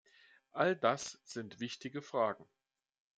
All das sind wichtige Fragen.